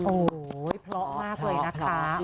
โอ้โหเพราะมากเลยนะคะ